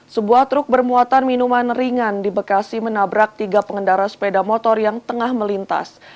sebuah truk bermuatan minuman ringan di bekasi menabrak tiga pengendara sepeda motor yang tengah melintas